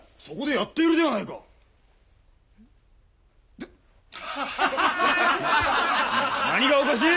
そこでやっているではないか！